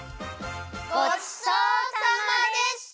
ごちそうさまでした！